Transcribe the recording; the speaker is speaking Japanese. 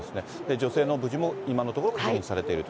女性の無事も今のところ、確認されていると。